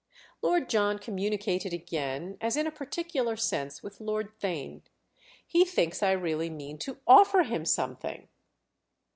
Lord John communicated again as in a particular sense with Lord Theign. "He thinks I really mean to offer him something!"